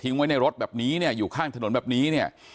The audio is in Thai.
ทิ้งไว้ในรถแบบนี้อยู่ข้างถนนแบบนี้